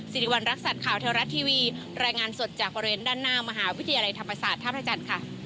สิริวัณรักษัตริย์ข่าวเทวรัฐทีวีรายงานสดจากบริเวณด้านหน้ามหาวิทยาลัยธรรมศาสตร์ท่าพระจันทร์ค่ะ